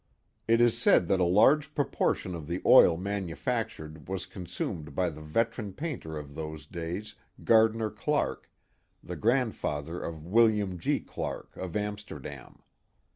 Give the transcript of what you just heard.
It is said that a large proportion of the oil manufactured was consumed by the veteran painter of those days, Gardner Clark, the grand father of William G. Clark, of Amsterdam.